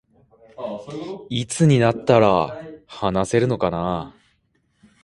いつになったら話せるのかな